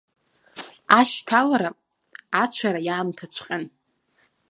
Ашьҭалара, ацәара иаамҭаҵәҟьан.